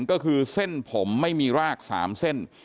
ก็คือเส้นผมไม่มีราก๓เส้น